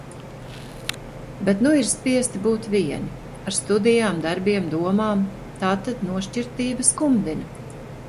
Bet nu ir spiesti būt vieni. Ar studijām, darbiem, domām. Tātad nošķirtība skumdina.